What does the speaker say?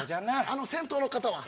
あの先頭の方は？